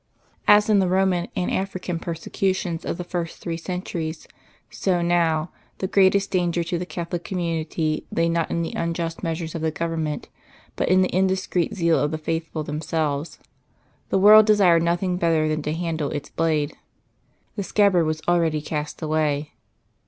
As in the Roman and African persecutions of the first three centuries, so now, the greatest danger to the Catholic community lay not in the unjust measures of the Government but in the indiscreet zeal of the faithful themselves. The world desired nothing better than a handle to its blade. The scabbard was already cast away.